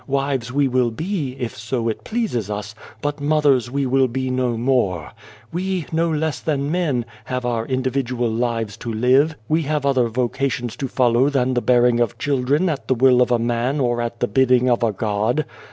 Wives we will be, if so it pleases us, but mothers we will be no more. We, no less than men, have our individual lives 258 Without a Child to live, we have other vocations to follow than the bearing of children at the will of a man or at the bidding of a God.